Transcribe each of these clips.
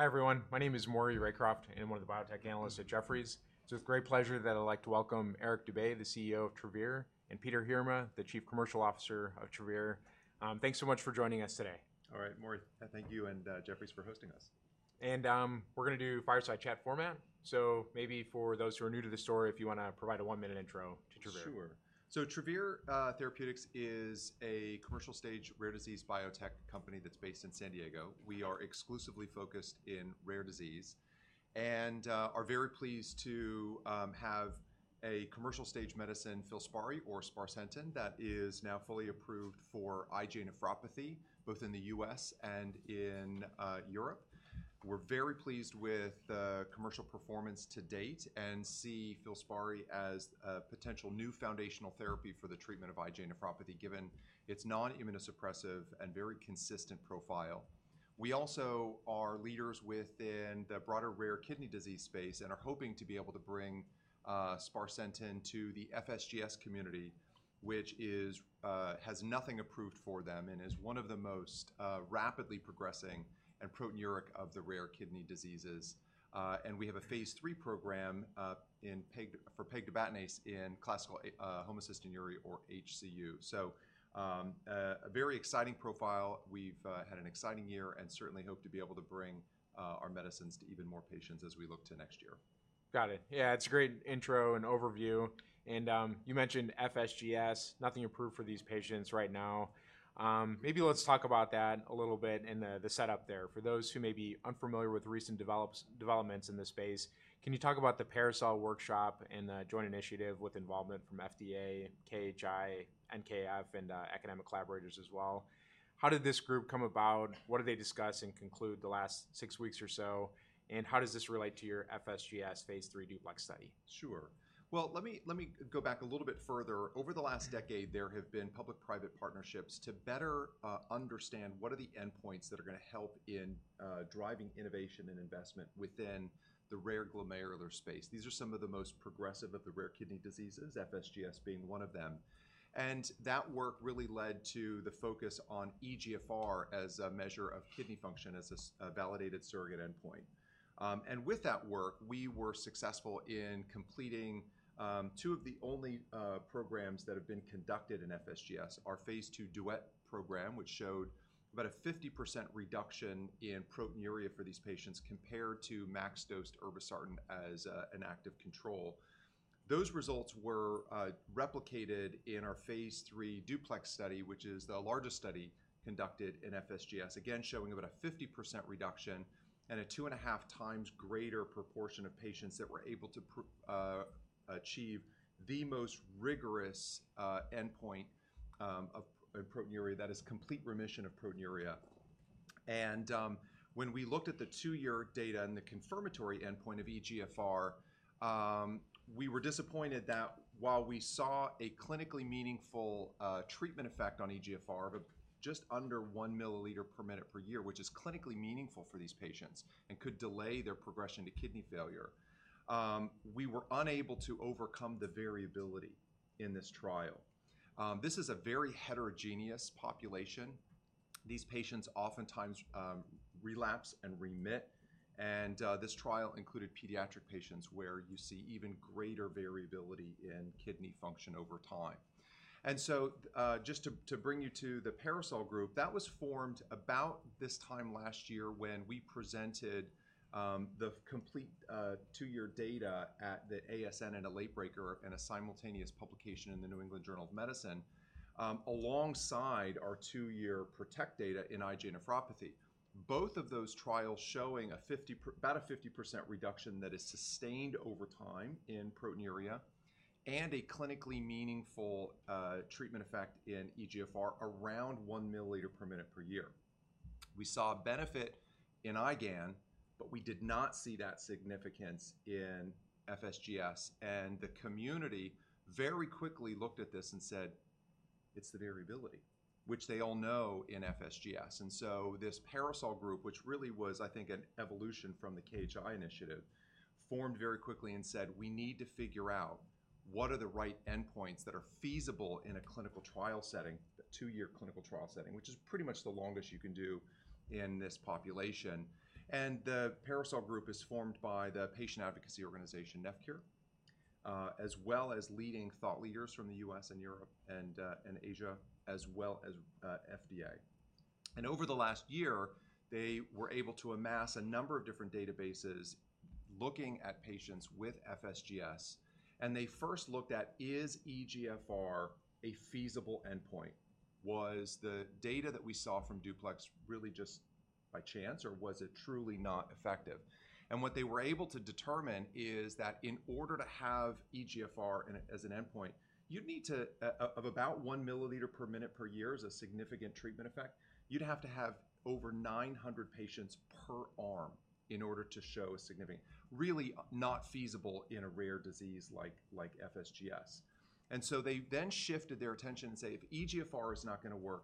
Hi, everyone. My name is Maury Raycroft. I am one of the biotech analysts at Jefferies. It's with great pleasure that I'd like to welcome Eric Dube, the CEO of Travere, and Peter Heerma, the Chief Commercial Officer of Travere. Thanks so much for joining us today. All right, Maury, thank you and Jefferies for hosting us. And we're going to do fireside chat format. So maybe for those who are new to the story, if you want to provide a one-minute intro to Travere. Sure. So Travere Therapeutics is a commercial stage rare disease biotech company that's based in San Diego. We are exclusively focused in rare disease and are very pleased to have a commercial stage medicine, FILSPARI or sparsentan, that is now fully approved for IgA nephropathy, both in the U.S. and in Europe. We're very pleased with the commercial performance to date and see FILSPARI as a potential new foundational therapy for the treatment of IgA nephropathy, given its non-immunosuppressive and very consistent profile. We also are leaders within the broader rare kidney disease space and are hoping to be able to bring sparsentan to the FSGS community, which has nothing approved for them and is one of the most rapidly progressing and proteinuric of the rare kidney diseases. And we have a phase three program for pegtibatinase in classical homocystinuria, or HCU. So a very exciting profile. We've had an exciting year and certainly hope to be able to bring our medicines to even more patients as we look to next year. Got it. Yeah, it's a great intro and overview. And you mentioned FSGS, nothing approved for these patients right now. Maybe let's talk about that a little bit and the setup there. For those who may be unfamiliar with recent developments in this space, can you talk about the PARASOL workshop and the joint initiative with involvement from FDA, KHI, NKF, and academic collaborators as well? How did this group come about? What did they discuss and conclude the last six weeks or so? And how does this relate to your FSGS phase three DUPLEX study? Sure. Well, let me go back a little bit further. Over the last decade, there have been public-private partnerships to better understand what are the endpoints that are going to help in driving innovation and investment within the rare glomerular space. These are some of the most progressive of the rare kidney diseases, FSGS being one of them. And that work really led to the focus on eGFR as a measure of kidney function as a validated surrogate endpoint. And with that work, we were successful in completing two of the only programs that have been conducted in FSGS, our phase two DUET program, which showed about a 50% reduction in proteinuria for these patients compared to max dose irbesartan as an active control. Those results were replicated in our phase 3 DUPLEX study, which is the largest study conducted in FSGS, again showing about a 50% reduction and a two and a half times greater proportion of patients that were able to achieve the most rigorous endpoint of proteinuria that is complete remission of proteinuria. And when we looked at the two-year data and the confirmatory endpoint of eGFR, we were disappointed that while we saw a clinically meaningful treatment effect on eGFR of just under one milliliter per minute per year, which is clinically meaningful for these patients and could delay their progression to kidney failure, we were unable to overcome the variability in this trial. This is a very heterogeneous population. These patients oftentimes relapse and remit. And this trial included pediatric patients where you see even greater variability in kidney function over time. And so, just to bring you to the PARASOL group, that was formed about this time last year when we presented the complete two-year data at the ASN and the Late Breaker and a simultaneous publication in the New England Journal of Medicine alongside our two-year PROTECT data in IgA nephropathy. Both of those trials showing about a 50% reduction that is sustained over time in proteinuria and a clinically meaningful treatment effect in eGFR around one milliliter per minute per year. We saw benefit in IgAN, but we did not see that significance in FSGS. And the community very quickly looked at this and said, it's the variability, which they all know in FSGS. And so this PARASOL group, which really was, I think, an evolution from the KHI initiative, formed very quickly and said, we need to figure out what are the right endpoints that are feasible in a clinical trial setting, a two-year clinical trial setting, which is pretty much the longest you can do in this population. And the PARASOL group is formed by the patient advocacy organization NephCure, as well as leading thought leaders from the U.S. and Europe and Asia, as well as FDA. And over the last year, they were able to amass a number of different databases looking at patients with FSGS. And they first looked at, is eGFR a feasible endpoint? Was the data that we saw from DUPLEX really just by chance, or was it truly not effective? What they were able to determine is that in order to have eGFR as an endpoint, you'd need to have about one milliliter per minute per year as a significant treatment effect. You'd have to have over 900 patients per arm in order to show a significant, really not feasible in a rare disease like FSGS. They then shifted their attention and said, if eGFR is not going to work,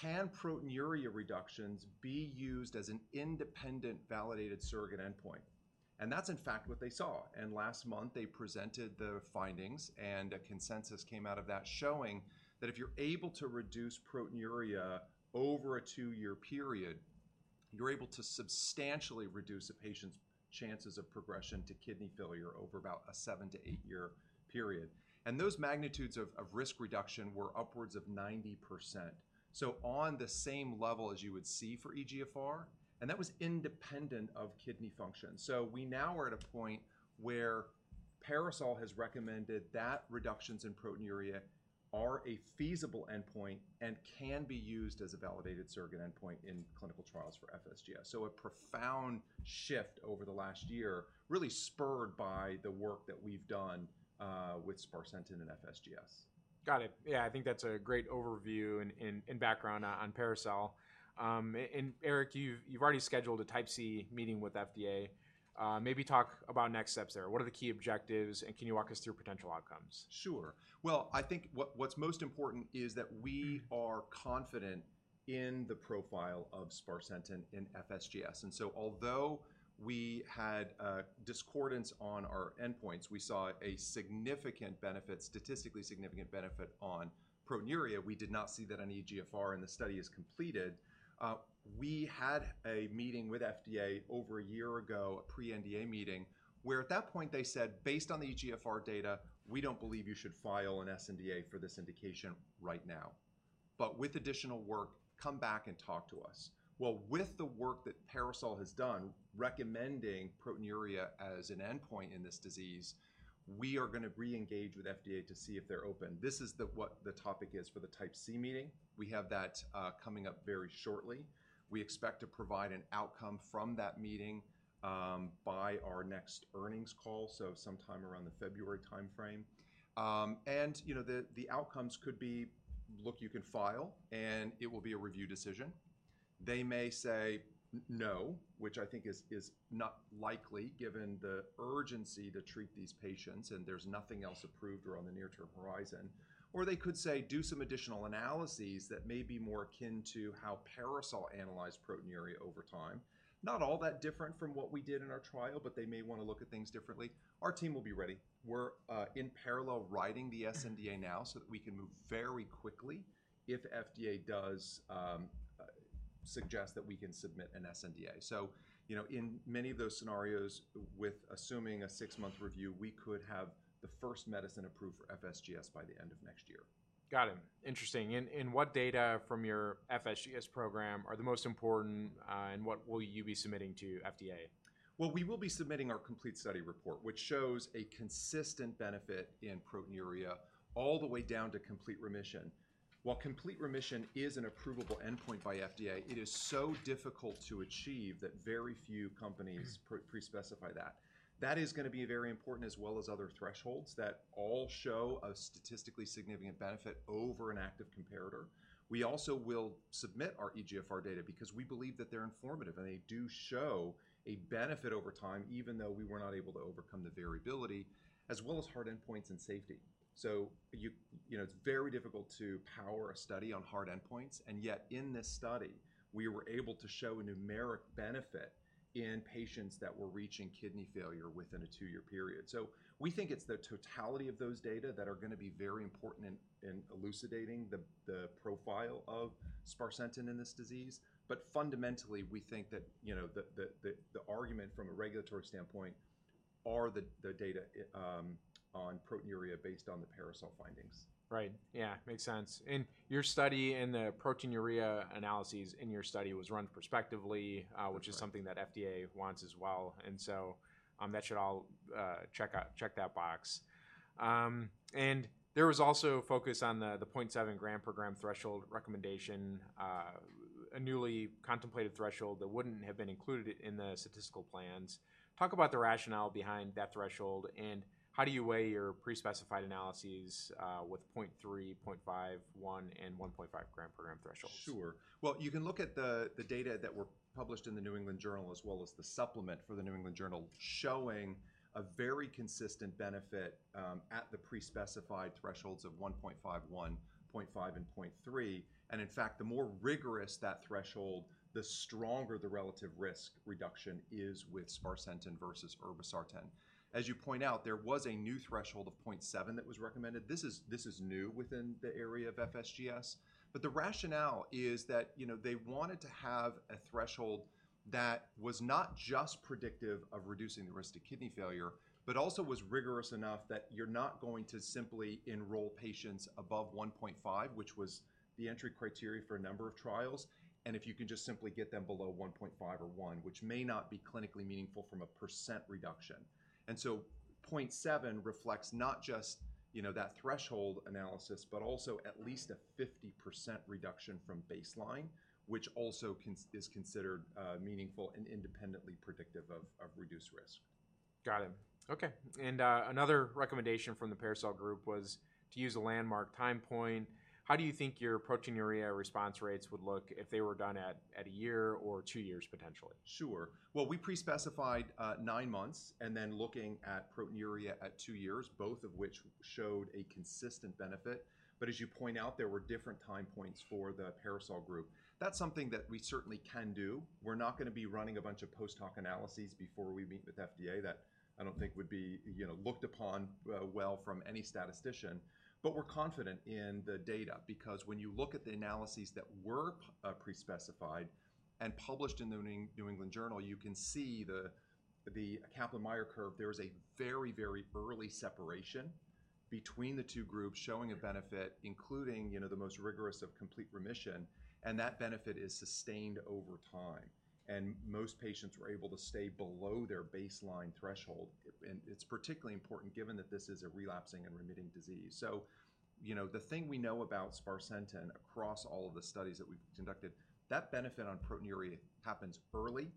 can proteinuria reductions be used as an independent validated surrogate endpoint? That's, in fact, what they saw. Last month, they presented the findings and a consensus came out of that showing that if you're able to reduce proteinuria over a two-year period, you're able to substantially reduce a patient's chances of progression to kidney failure over about a seven- to eight-year period. Those magnitudes of risk reduction were upwards of 90%. On the same level as you would see for eGFR, and that was independent of kidney function. We now are at a point where PARASOL has recommended that reductions in proteinuria are a feasible endpoint and can be used as a validated surrogate endpoint in clinical trials for FSGS. A profound shift over the last year, really spurred by the work that we've done with Sparsentan and FSGS. Got it. Yeah, I think that's a great overview and background on PARASOL. And Eric, you've already scheduled a Type C meeting with FDA. Maybe talk about next steps there. What are the key objectives and can you walk us through potential outcomes? Sure. I think what's most important is that we are confident in the profile of sparsentan in FSGS. So although we had discordance on our endpoints, we saw a significant benefit, statistically significant benefit on proteinuria. We did not see that on eGFR and the study is completed. We had a meeting with FDA over a year ago, a pre-NDA meeting, where at that point they said, based on the eGFR data, we don't believe you should file an sNDA for this indication right now. But with additional work, come back and talk to us. With the work that PARASOL has done recommending proteinuria as an endpoint in this disease, we are going to reengage with FDA to see if they're open. This is what the topic is for the Type C meeting. We have that coming up very shortly. We expect to provide an outcome from that meeting by our next earnings call, so sometime around the February timeframe, and the outcomes could be, look, you can file and it will be a review decision. They may say no, which I think is not likely given the urgency to treat these patients and there's nothing else approved or on the near-term horizon, or they could say do some additional analyses that may be more akin to how PARASOL analyzed proteinuria over time. Not all that different from what we did in our trial, but they may want to look at things differently. Our team will be ready. We're in parallel writing the sNDA now so that we can move very quickly if FDA does suggest that we can submit an sNDA. So in many of those scenarios, with assuming a six-month review, we could have the first medicine approved for FSGS by the end of next year. Got it. Interesting. What data from your FSGS program are the most important and what will you be submitting to FDA? We will be submitting our complete study report, which shows a consistent benefit in proteinuria all the way down to complete remission. While complete remission is an approvable endpoint by FDA, it is so difficult to achieve that very few companies pre-specify that. That is going to be very important as well as other thresholds that all show a statistically significant benefit over an active comparator. We also will submit our eGFR data because we believe that they're informative and they do show a benefit over time, even though we were not able to overcome the variability, as well as hard endpoints and safety, so it's very difficult to power a study on hard endpoints, and yet in this study, we were able to show a numeric benefit in patients that were reaching kidney failure within a two-year period. So we think it's the totality of those data that are going to be very important in elucidating the profile of sparsentan in this disease. But fundamentally, we think that the argument from a regulatory standpoint are the data on proteinuria based on the PARASOL findings. Right. Yeah, makes sense. And your study and the proteinuria analyses in your study was run prospectively, which is something that FDA wants as well. And so that should all check that box. And there was also focus on the 0.7 gram per gram threshold recommendation, a newly contemplated threshold that wouldn't have been included in the statistical plans. Talk about the rationale behind that threshold and how do you weigh your pre-specified analyses with 0.3, 0.5, 1, and 1.5 gram per gram thresholds? Sure. Well, you can look at the data that were published in the New England Journal as well as the supplement for the New England Journal showing a very consistent benefit at the pre-specified thresholds of 1.5, 1, 0.5, and 0.3. And in fact, the more rigorous that threshold, the stronger the relative risk reduction is with sparsentan versus irbesartan. As you point out, there was a new threshold of 0.7 that was recommended. This is new within the area of FSGS. But the rationale is that they wanted to have a threshold that was not just predictive of reducing the risk of kidney failure, but also was rigorous enough that you're not going to simply enroll patients above 1.5, which was the entry criteria for a number of trials, and if you can just simply get them below 1.5 or 1, which may not be clinically meaningful from a percent reduction. And so 0.7 reflects not just that threshold analysis, but also at least a 50% reduction from baseline, which also is considered meaningful and independently predictive of reduced risk. Got it. Okay. And another recommendation from the PARASOL group was to use a landmark time point. How do you think your proteinuria response rates would look if they were done at a year or two years potentially? Sure. Well, we pre-specified nine months and then looking at proteinuria at two years, both of which showed a consistent benefit. But as you point out, there were different time points for the PARASOL group. That's something that we certainly can do. We're not going to be running a bunch of post-hoc analyses before we meet with FDA. That I don't think would be looked upon well from any statistician. But we're confident in the data because when you look at the analyses that were pre-specified and published in the New England Journal, you can see the Kaplan-Meier curve. There was a very, very early separation between the two groups showing a benefit, including the most rigorous of complete remission. And that benefit is sustained over time. And most patients were able to stay below their baseline threshold. It's particularly important given that this is a relapsing and remitting disease. The thing we know about sparsentan across all of the studies that we've conducted, that benefit on proteinuria happens early.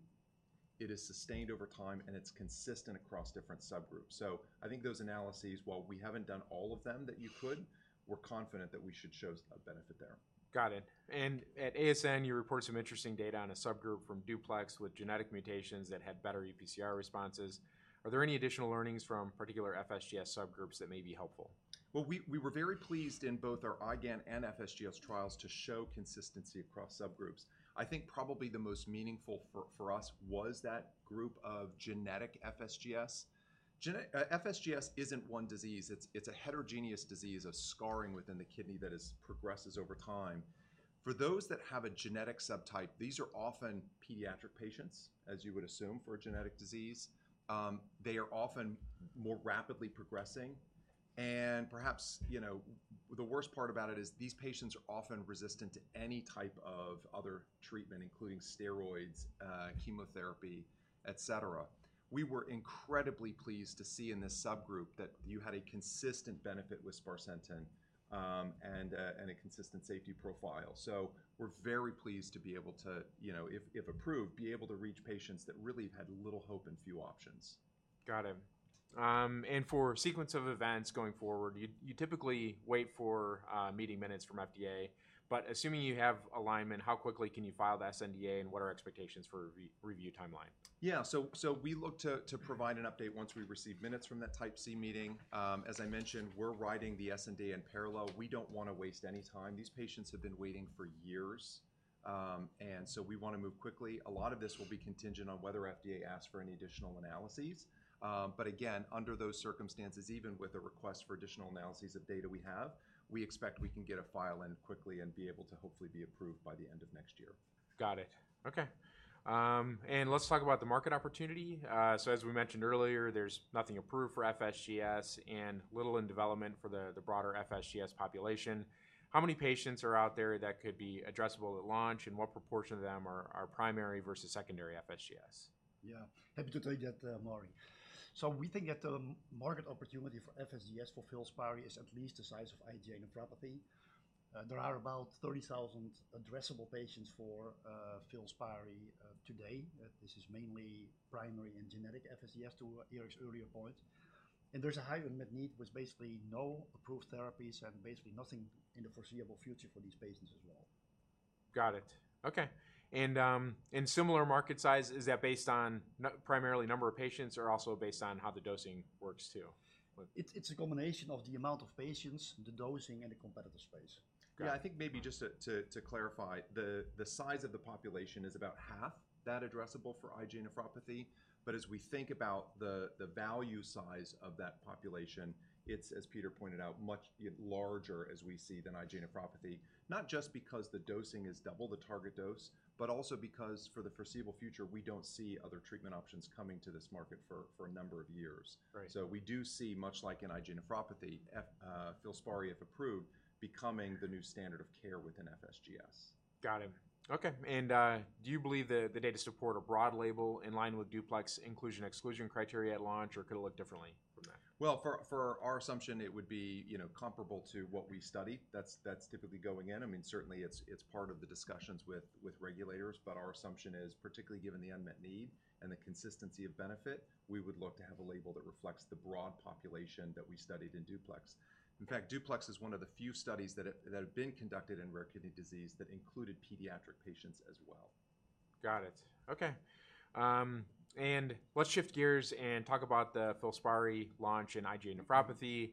It is sustained over time and it's consistent across different subgroups. I think those analyses, while we haven't done all of them that you could, we're confident that we should show a benefit there. Got it. And at ASN, you reported some interesting data on a subgroup from DUPLEX with genetic mutations that had better eGFR responses. Are there any additional learnings from particular FSGS subgroups that may be helpful? We were very pleased in both our IgAN and FSGS trials to show consistency across subgroups. I think probably the most meaningful for us was that group of genetic FSGS. FSGS isn't one disease. It's a heterogeneous disease of scarring within the kidney that progresses over time. For those that have a genetic subtype, these are often pediatric patients, as you would assume for a genetic disease. They are often more rapidly progressing, and perhaps the worst part about it is these patients are often resistant to any type of other treatment, including steroids, chemotherapy, et cetera. We were incredibly pleased to see in this subgroup that you had a consistent benefit with Sparsentan and a consistent safety profile, so we're very pleased to be able to, if approved, be able to reach patients that really had little hope and few options. Got it. And for sequence of events going forward, you typically wait for meeting minutes from FDA. But assuming you have alignment, how quickly can you file the sNDA and what are expectations for review timeline? Yeah, so we look to provide an update once we receive minutes from that Type C meeting. As I mentioned, we're writing the sNDA in parallel. We don't want to waste any time. These patients have been waiting for years, and so we want to move quickly. A lot of this will be contingent on whether FDA asks for any additional analyses. But again, under those circumstances, even with a request for additional analyses of data we have, we expect we can get a file in quickly and be able to hopefully be approved by the end of next year. Got it. Okay. And let's talk about the market opportunity. So as we mentioned earlier, there's nothing approved for FSGS and little in development for the broader FSGS population. How many patients are out there that could be addressable at launch and what proportion of them are primary versus secondary FSGS? Yeah. Happy to tell you that, Maury. So we think that the market opportunity for FSGS for FILSPARI is at least the size of IgA nephropathy. There are about 30,000 addressable patients for FILSPARI today. This is mainly primary and genetic FSGS to Eric's earlier point. And there's a high unmet need with basically no approved therapies and basically nothing in the foreseeable future for these patients as well. Got it. Okay. And similar market size, is that based on primarily number of patients or also based on how the dosing works too? It's a combination of the amount of patients, the dosing, and the competitor space. Yeah, I think maybe just to clarify, the size of the population is about half that addressable for IgA nephropathy. But as we think about the value size of that population, it's, as Peter pointed out, much larger as we see than IgA nephropathy, not just because the dosing is double the target dose, but also because for the foreseeable future, we don't see other treatment options coming to this market for a number of years. So we do see, much like in IgA nephropathy, FILSPARI, if approved, becoming the new standard of care within FSGS. Got it. Okay, and do you believe the data support a broad label in line with DUPLEX inclusion-exclusion criteria at launch or could it look differently from that? For our assumption, it would be comparable to what we study. That's typically going in. I mean, certainly it's part of the discussions with regulators, but our assumption is, particularly given the unmet need and the consistency of benefit, we would look to have a label that reflects the broad population that we studied in DUPLEX. In fact, DUPLEX is one of the few studies that have been conducted in rare kidney disease that included pediatric patients as well. Got it. Okay. And let's shift gears and talk about the FILSPARI launch in IgA nephropathy.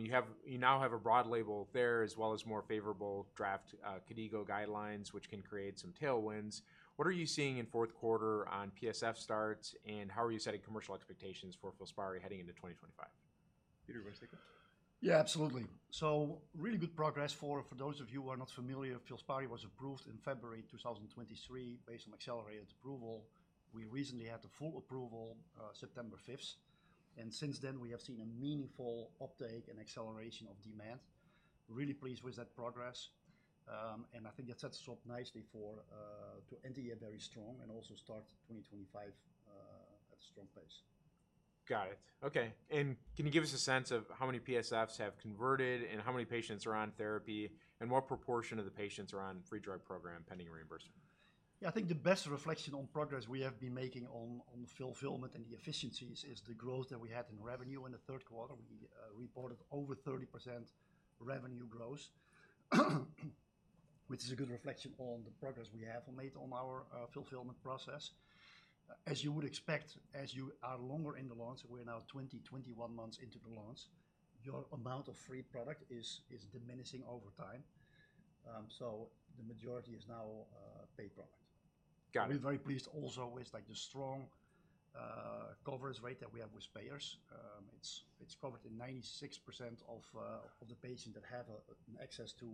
You now have a broad label there as well as more favorable draft KDIGO guidelines, which can create some tailwinds. What are you seeing in fourth quarter on FILSPARI starts and how are you setting commercial expectations for FILSPARI heading into 2025? Peter, you want to take it? Yeah, absolutely. So really good progress for those of you who are not familiar. FILSPARI was approved in February 2023 based on accelerated approval. We recently had the full approval September 5th. And since then, we have seen a meaningful uptake and acceleration of demand. Really pleased with that progress. And I think that sets us up nicely to end the year very strong and also start 2025 at a strong pace. Got it. Okay, and can you give us a sense of how many PSFs have converted and how many patients are on therapy and what proportion of the patients are on free drug program pending reimbursement? Yeah, I think the best reflection on progress we have been making on fulfillment and the efficiencies is the growth that we had in revenue in the third quarter. We reported over 30% revenue growth, which is a good reflection on the progress we have made on our fulfillment process. As you would expect, as you are longer in the launch, we're now 20, 21 months into the launch, your amount of free product is diminishing over time. So the majority is now paid product. We're very pleased also with the strong coverage rate that we have with payers. It's covered in 96% of the patients that have access to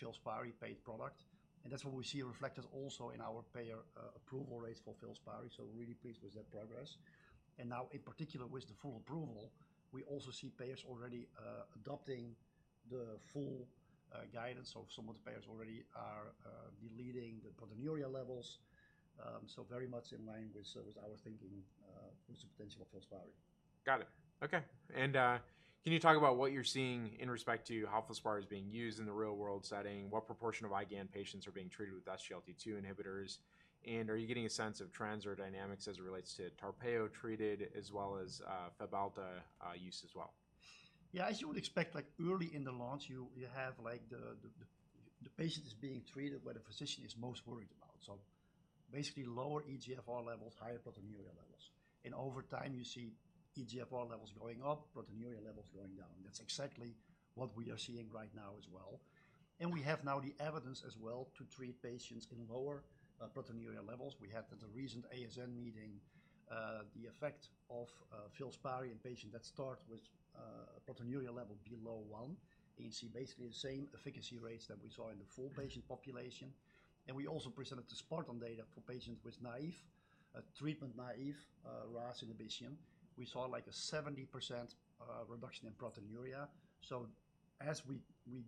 FILSPARI paid product. And that's what we see reflected also in our payer approval rates for FILSPARI. So we're really pleased with that progress. Now, in particular, with the full approval, we also see payers already adopting the full guidance. Some of the payers already are deleting the proteinuria levels. Very much in line with our thinking with the potential of FILSPARI. Got it. Okay. And can you talk about what you're seeing in respect to how FILSPARI is being used in the real-world setting? What proportion of IgAN patients are being treated with SGLT2 inhibitors? And are you getting a sense of trends or dynamics as it relates to Tarpeo treated as well as Fabhalta use as well? Yeah, as you would expect, early in the launch, you have the patient is being treated where the physician is most worried about. So basically lower eGFR levels, higher proteinuria levels. And over time, you see eGFR levels going up, proteinuria levels going down. That's exactly what we are seeing right now as well. And we have now the evidence as well to treat patients in lower proteinuria levels. We had at the recent ASN meeting the effect of FILSPARI in patients that start with proteinuria level below 1. You see basically the same efficacy rates that we saw in the full patient population. And we also presented the sparsentan data for patients with naïve, treatment-naïve, RAS inhibition. We saw like a 70% reduction in proteinuria. So as we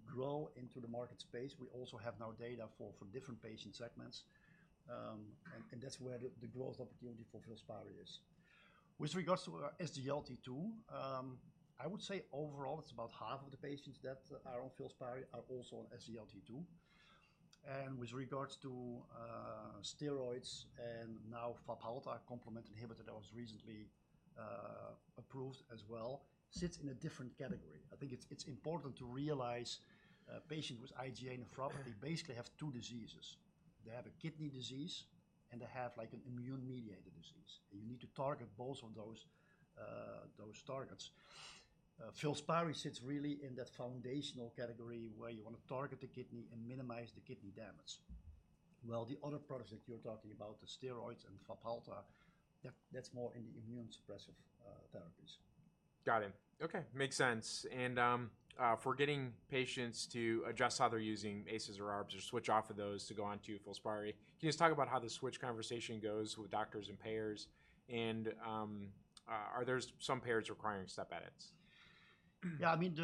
grow into the market space, we also have now data for different patient segments. That's where the growth opportunity for FILSPARI is. With regards to SGLT2, I would say overall it's about half of the patients that are on FILSPARI are also on SGLT2. With regards to steroids and now Fabhalta, complement inhibitor that was recently approved as well, sits in a different category. I think it's important to realize patients with IgA nephropathy basically have two diseases. They have a kidney disease and they have like an immune-mediated disease. You need to target both of those targets. FILSPARI sits really in that foundational category where you want to target the kidney and minimize the kidney damage. The other products that you're talking about, the steroids and Fabhalta, that's more in the immune-suppressive therapies. Got it. Okay. Makes sense. And for getting patients to adjust how they're using ACEs or ARBs or switch off of those to go on to FILSPARI, can you just talk about how the switch conversation goes with doctors and payers? And are there some payers requiring step edits? Yeah, I mean,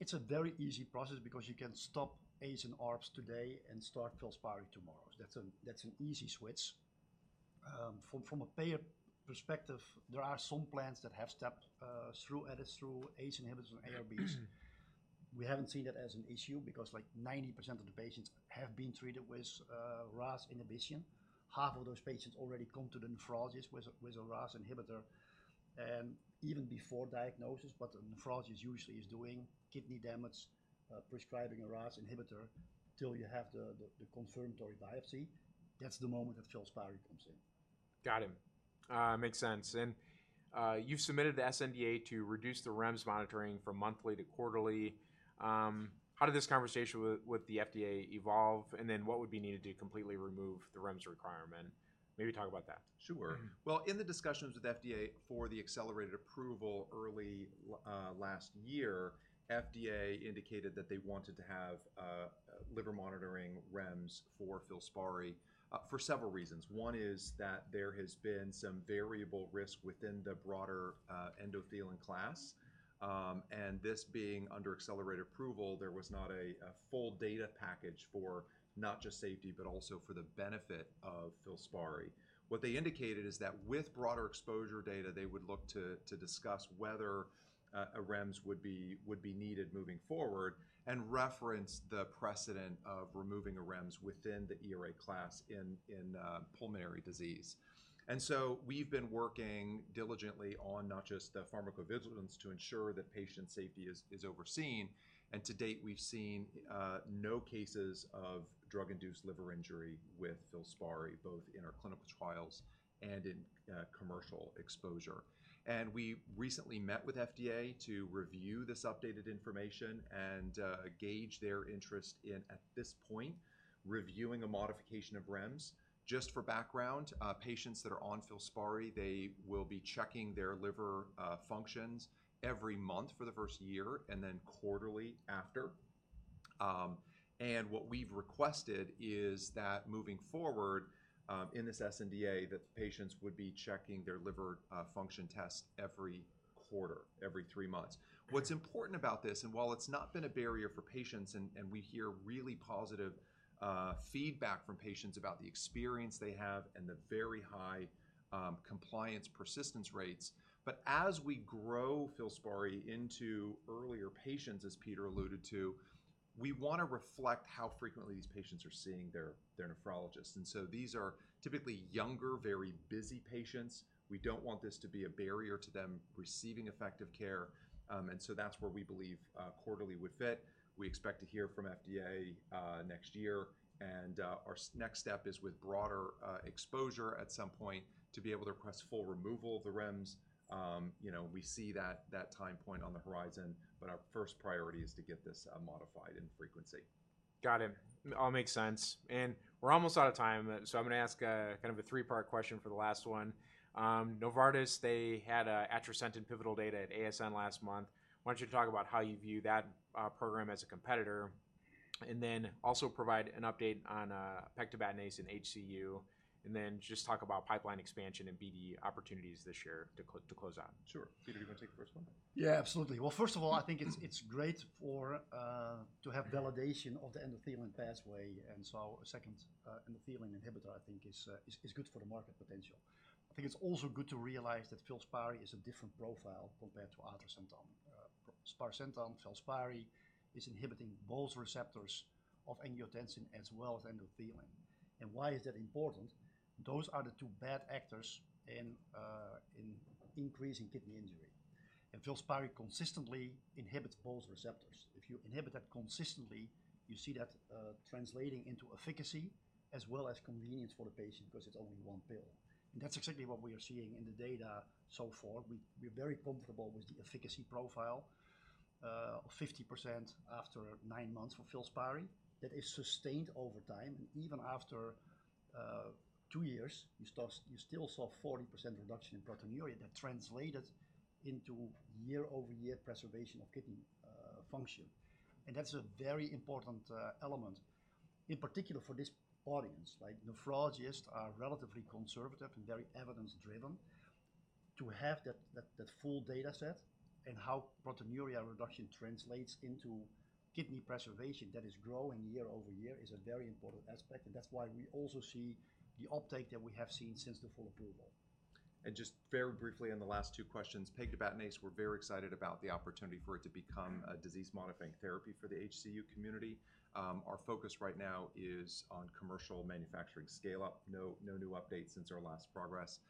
it's a very easy process because you can stop ACE and ARBs today and start FILSPARI tomorrow. That's an easy switch. From a payer perspective, there are some plans that have step through edits through ACE inhibitors and ARBs. We haven't seen that as an issue because like 90% of the patients have been treated with RAS inhibition. Half of those patients already come to the nephrologist with a RAS inhibitor. And even before diagnosis, what the nephrologist usually is doing, kidney damage, prescribing a RAS inhibitor till you have the confirmatory biopsy. That's the moment that FILSPARI comes in. Got it. Makes sense. And you've submitted the sNDA to reduce the REMS monitoring from monthly to quarterly. How did this conversation with the FDA evolve? And then what would be needed to completely remove the REMS requirement? Maybe talk about that. Sure. Well, in the discussions with FDA for the accelerated approval early last year, FDA indicated that they wanted to have liver monitoring REMS for FILSPARI for several reasons. One is that there has been some variable risk within the broader endothelin class. And this being under accelerated approval, there was not a full data package for not just safety, but also for the benefit of FILSPARI. What they indicated is that with broader exposure data, they would look to discuss whether a REMS would be needed moving forward and reference the precedent of removing a REMS within the ERA class in pulmonary disease. And so we've been working diligently on not just the pharmacovigilance to ensure that patient safety is overseen. And to date, we've seen no cases of drug-induced liver injury with FILSPARI, both in our clinical trials and in commercial exposure. And we recently met with FDA to review this updated information and gauge their interest in, at this point, reviewing a modification of REMS. Just for background, patients that are on FILSPARI, they will be checking their liver functions every month for the first year and then quarterly after. And what we've requested is that moving forward in this sNDA, that patients would be checking their liver function tests every quarter, every three months. What's important about this, and while it's not been a barrier for patients, and we hear really positive feedback from patients about the experience they have and the very high compliance persistence rates, but as we grow FILSPARI into earlier patients, as Peter alluded to, we want to reflect how frequently these patients are seeing their nephrologists. And so these are typically younger, very busy patients. We don't want this to be a barrier to them receiving effective care. And so that's where we believe quarterly would fit. We expect to hear from FDA next year. And our next step is with broader exposure at some point to be able to request full removal of the REMS. We see that time point on the horizon, but our first priority is to get this modified in frequency. Got it. All makes sense. And we're almost out of time. So I'm going to ask kind of a three-part question for the last one. Novartis, they had atrasentan and pivotal data at ASN last month. Why don't you talk about how you view that program as a competitor? And then also provide an update on pegtibatinase in HCU. And then just talk about pipeline expansion and BD opportunities this year to close out. Sure. Peter, do you want to take the first one? Yeah, absolutely. Well, first of all, I think it's great to have validation of the endothelin pathway. And so second endothelin inhibitor, I think, is good for the market potential. I think it's also good to realize that FILSPARI is a different profile compared to other endothelins. Sparsentan, FILSPARI is inhibiting both receptors of angiotensin as well as endothelin. And why is that important? Those are the two bad actors in increasing kidney injury. And FILSPARI consistently inhibits both receptors. If you inhibit that consistently, you see that translating into efficacy as well as convenience for the patient because it's only one pill. And that's exactly what we are seeing in the data so far. We're very comfortable with the efficacy profile of 50% after nine months for FILSPARI that is sustained over time. Even after two years, you still saw 40% reduction in proteinuria that translated into year-over-year preservation of kidney function. That's a very important element. In particular for this audience, like nephrologists are relatively conservative and very evidence-driven. To have that full data set and how proteinuria reduction translates into kidney preservation that is growing year-over-year is a very important aspect. That's why we also see the uptake that we have seen since the full approval. Just very briefly on the last two questions, pegtibatinase and HCU, we're very excited about the opportunity for it to become a disease-modifying therapy for the HCU community. Our focus right now is on commercial manufacturing scale-up. No new updates since our last progress.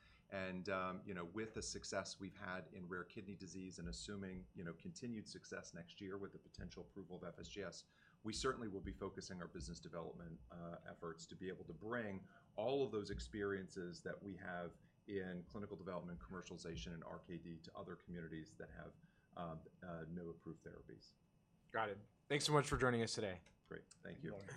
With the success we've had in rare kidney disease and assuming continued success next year with the potential approval of FSGS, we certainly will be focusing our business development efforts to be able to bring all of those experiences that we have in clinical development, commercialization, and RKD to other communities that have no approved therapies. Got it. Thanks so much for joining us today. Great. Thank you.